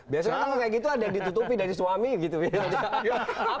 biasanya kalau kayak gitu ada ditutupi dari suami gitu ya